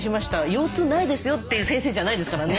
「腰痛ないですよ」という先生じゃないですからね。